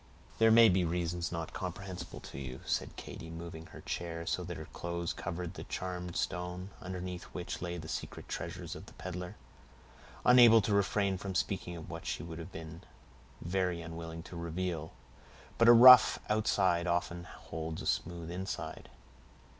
"There may be reasons not comprehensible to you," said Katy, moving her chair so that her clothes covered the charmed stone, underneath which lay the secret treasures of the peddler, unable to refrain from speaking of what she would have been very unwilling to reveal; "but a rough outside often holds a smooth inside."